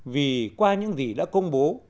vì qua những gì đã công bố